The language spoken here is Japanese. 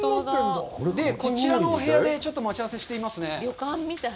こちらのお部屋でちょっと待ち合わせしていますね。